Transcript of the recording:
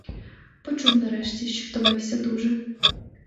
Почув, нарешті, що втомився дуже.